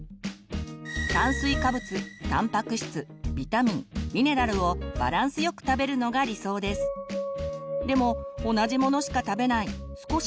炭水化物たんぱく質ビタミン・ミネラルをバランスよく食べるのが理想です。